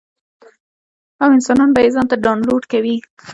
او انسان به ئې ځان ته ډاونلوډ کوي -